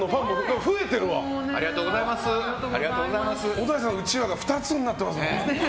小田井さんのうちわが２つになってます。